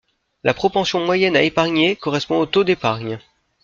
La propension moyenne à épargner correspond au taux d'épargne.